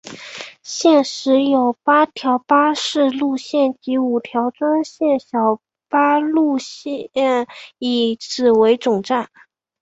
现时有四条巴士路线及五条专线小巴路线以此为总站。